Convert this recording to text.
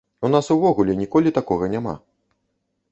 У нас увогуле ніколі такога няма.